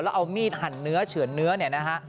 แล้วเอามีดหั่นเนื้อเฉือนเนื้อเนี่ยนะฮะ